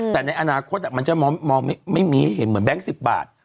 แต่ในอนาคตอ่ะมันจะมองไม่มีเหมือนแบงค์๑๐บาท